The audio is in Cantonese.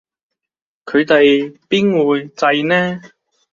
佢哋邊會䎺呢